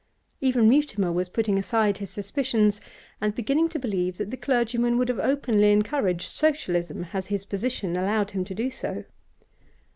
Even Mutimer was putting aside his suspicions and beginning to believe that the clergyman would have openly encouraged Socialism had his position allowed him to do so.